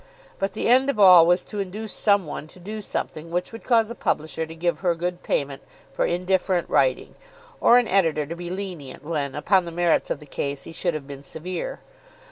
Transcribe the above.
But the end of all was to induce some one to do something which would cause a publisher to give her good payment for indifferent writing, or an editor to be lenient when, upon the merits of the case, he should have been severe.